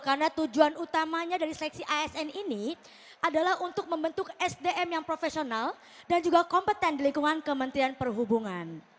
karena tujuan utamanya dari seleksi asn ini adalah untuk membentuk sdm yang profesional dan juga kompeten di lingkungan kementerian perhubungan